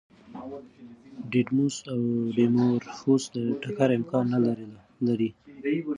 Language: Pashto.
ډیډیموس او ډیمورفوس د ټکر امکان نه لري.